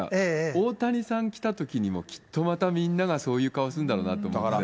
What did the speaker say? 大谷さん来たときにも、きっとまたみんながそういう顔するんだろうなと思って。